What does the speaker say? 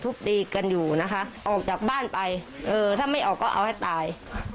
ตีกันอยู่นะคะออกจากบ้านไปเออถ้าไม่ออกก็เอาให้ตาย